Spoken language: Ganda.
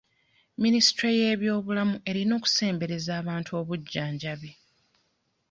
Minisitule y'ebyobulamu erina okusembereza abantu obujjanjabi.